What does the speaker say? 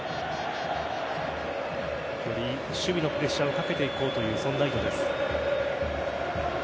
守備のプレッシャーをかけていこうというそんな意図です。